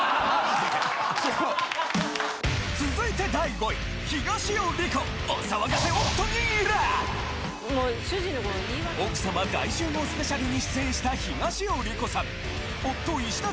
続いて奥様大集合スペシャルに出演した東尾理子さん